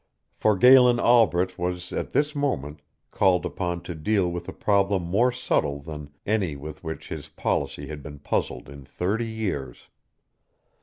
For Galen Albret was at this moment called upon to deal with a problem more subtle than any with which his policy had been puzzled in thirty years.